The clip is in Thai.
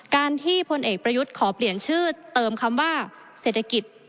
การที่พลเอกประยุทธ์ขอเปลี่ยนชื่อเติมคำว่าเศรษฐกิจ